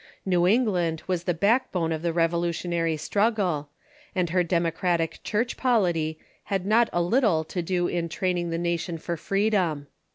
New England was the back bone of the Revolutionary struggle, and her democratic Church polity had not a little to do in training the nation for freedom.